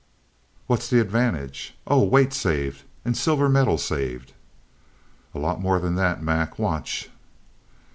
"What's the advantage? Oh weight saved, and silver metal saved." "A lot more than that, Mac. Watch."